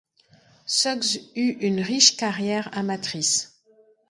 Suggs eu une riche carrière amatrice.